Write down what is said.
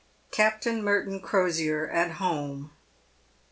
CAPTAIN MERTON CROSIER AT HOME.